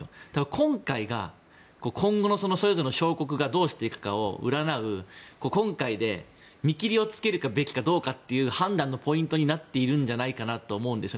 今回は今後の小国がどうしていくかを占う、今回で見切りをつけるべきかどうかの判断のポイントになっているんじゃないかなと思うんです。